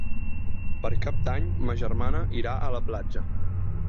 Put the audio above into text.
Per Cap d'Any ma germana irà a la platja.